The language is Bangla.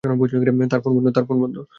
তার ফোন বন্ধ।